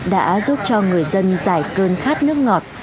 đã giúp cho người dân giải cơn khát nước ngọt